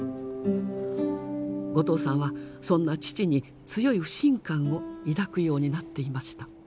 後藤さんはそんな父に強い不信感を抱くようになっていました。